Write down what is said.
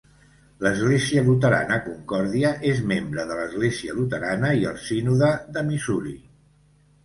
L'església luterana Concordia és membre de l'església luterana i el sínode de Missouri.